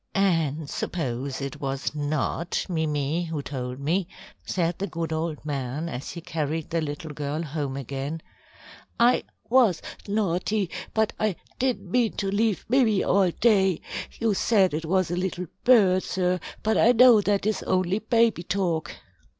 "And suppose it was not Mimi who told me?" said the good old man as he carried the little girl home again. "I was naughty, but I didn't mean to leave Mimi all day. You said it was a little bird, sir, but I know that is only baby talk."